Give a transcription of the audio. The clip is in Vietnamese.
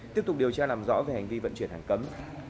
tiếp tục điều tra làm rõ về hành vi vận chuyển hàng cấm